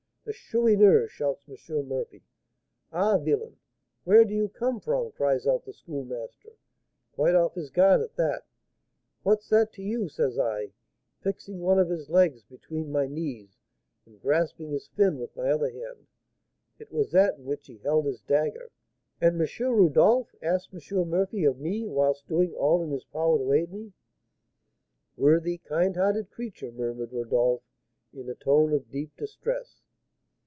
'The Chourineur!' shouts M. Murphy. 'Ah, villain! where do you come from?' cries out the Schoolmaster, quite off his guard at that. 'What's that to you?' says I, fixing one of his legs between my knees, and grasping his 'fin' with my other hand; it was that in which he held his dagger. 'And M. Rodolph?' asked M. Murphy of me, whilst doing all in his power to aid me " "Worthy, kind hearted creature!" murmured Rodolph, in a tone of deep distress.